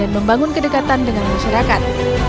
membangun kedekatan dengan masyarakat